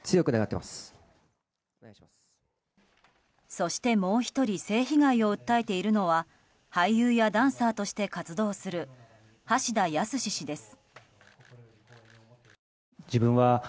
そして、もう１人性被害を訴えているのは俳優やダンサーとして活動する橋田康氏です。